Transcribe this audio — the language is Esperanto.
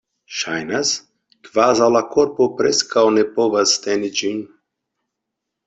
Ŝajnas, kvazaŭ la korpo preskaŭ ne povas teni ĝin.